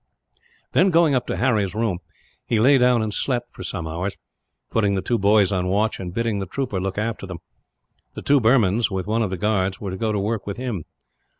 Then, going up to Harry's room, he lay down and slept for some hours; putting the two boys on watch, and bidding the trooper look after them. The two Burmans, with one of the guards, were to go to work with him.